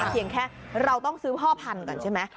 เพียงแค่เราต้องซื้อพ่อพันธุ์ก่อนใช่ไหม